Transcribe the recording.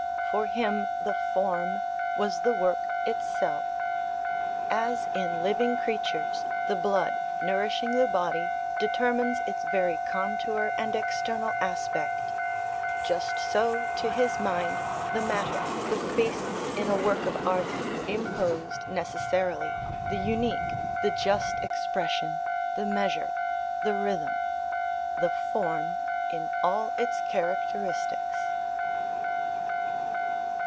For him the form was the work itself. As in living creatures, the blood, nourishing the body, determines its very contour and external aspect, just so, to his mind, the matter, the basis, in a work of art, imposed, necessarily, the unique, the just expression, the measure, the rhythm the form in all its characteristics.